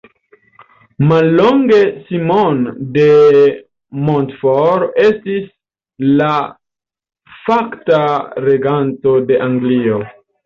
Mallonge Simon de Montfort estis la fakta reganto de Anglio.